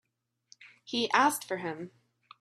He asked for him.